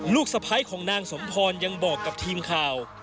สะพ้ายของนางสมพรยังบอกกับทีมข่าว